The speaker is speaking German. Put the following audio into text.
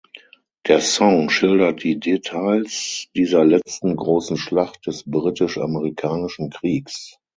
Der Song schildert die Details dieser letzten großen Schlacht des Britisch-Amerikanischen Kriegs.